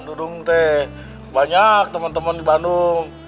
dudung teh banyak teman teman di bandung